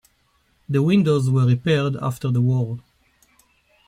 The windows were repaired after the war.